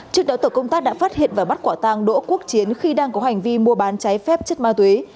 trước đó tổ công tác đã phát hiện và bắt quả tàng đỗ quốc chiến khi đang có hành vi mua bán trái phép chất ma túy